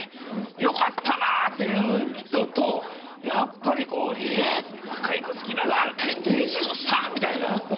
良かったなという人とやっぱり若い、２３みたいな。